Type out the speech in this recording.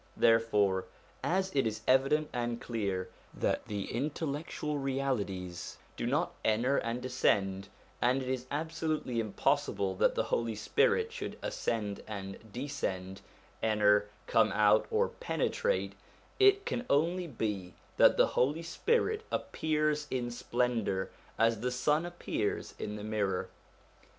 Therefore, as it is evident and clear that the intel 124 SOME CHRISTIAN SUBJECTS 125 lectual realities do not enter and descend, and it is absolutely impossible that the Holy Spirit should ascend and descend, enter, come out, or penetrate, it can only be that the Holy Spirit appears in splendour, as the sun appears in the mirror.